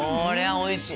おいしい！